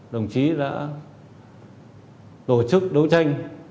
đồng chí đã tổ chức đấu tranh